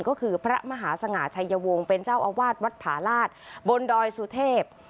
ก็คือพระมหาสง่าชัยวงศ์เป็นเจ้าอาวาสวัดผาลาศบนดอยสุเทพ